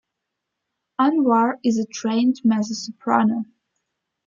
Anwar is a trained mezzo-soprano.